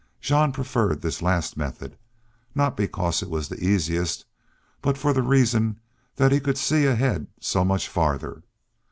Jean preferred this last method, not because it was the easiest, but for the reason that he could see ahead so much farther.